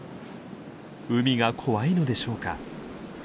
海が怖いのでしょうか。